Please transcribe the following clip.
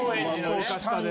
高架下で。